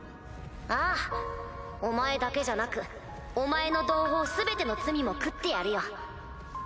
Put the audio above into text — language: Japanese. ああお前だけじゃなくお前の同胞全ての罪も食ってやるよ。